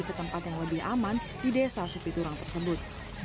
ke tempat yang lebih aman di desa supiturang tersebut